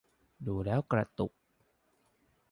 ดูแล้วกระตุก